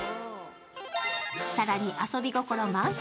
更に、遊び心満載。